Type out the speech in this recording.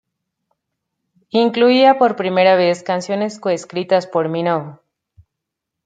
Incluía por primera vez, canciones co-escritas por Minogue.